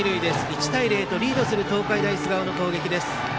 １対０とリードする東海大菅生の攻撃です。